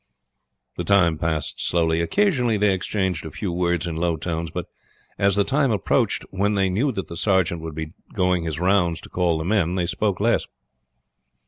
The time passed slowly. Occasionally they exchanged a few words in low tones, but as the time approached when they knew that the sergeant would be going his rounds to call the men they spoke less.